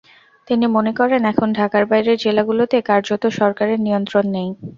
তিনি মনে করেন, এখন ঢাকার বাইরের জেলাগুলোতে কার্যত সরকারের নিয়ন্ত্রণ নেই।